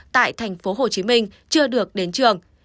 tại tp hcm chưa được đến trường